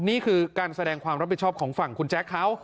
นี่คือการแสดงความรับผิดชอบของฝั่งคุณแจ๊คเขา